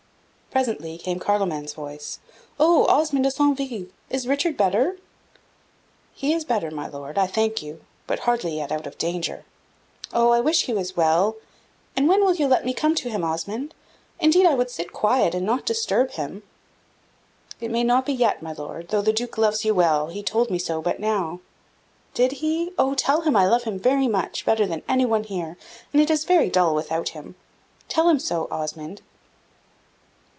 Presently came Carloman's voice: "O Osmond de Centeville! is Richard better?" "He is better, my Lord, I thank you, but hardly yet out of danger." "Oh, I wish he was well! And when will you let me come to him, Osmond? Indeed, I would sit quiet, and not disturb him." "It may not be yet, my Lord, though the Duke loves you well he told me so but now." "Did he? Oh, tell him I love him very much better than any one here and it is very dull without him. Tell him so, Osmond."